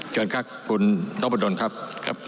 จนกลับคุณต้องบทดลครับ